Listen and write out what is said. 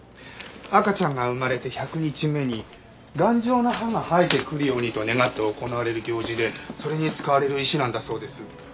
赤ちゃんが生まれて１００日目に頑丈な歯が生えてくるようにと願って行われる行事でそれに使われる石なんだそうです。